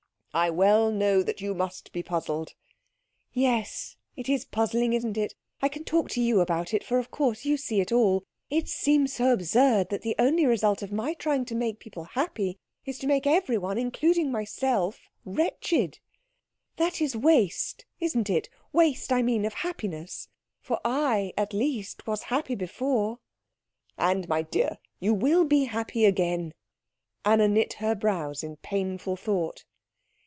"I well know that you must be puzzled." "Yes, it is puzzling, isn't it? I can talk to you about it, for of course you see it all. It seems so absurd that the only result of my trying to make people happy is to make everyone, including myself, wretched. That is waste, isn't it. Waste, I mean, of happiness. For I, at least, was happy before." "And, my dear, you will be happy again." Anna knit her brows in painful thought.